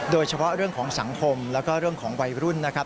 โดยเฉพาะเรื่องของสังคมแล้วก็เรื่องของวัยรุ่นนะครับ